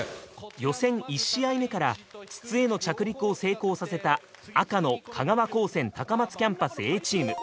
予選１試合目から筒への着陸を成功させた赤の香川高専高松キャンパスＡチーム。